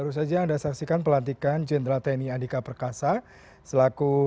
kepada para saksi dan panglima tni berkenan kembali ke tempat semula